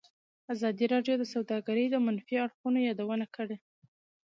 ازادي راډیو د سوداګري د منفي اړخونو یادونه کړې.